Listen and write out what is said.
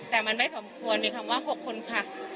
แต่มันไม่สมควรมีคำว่า๖คนค่ะ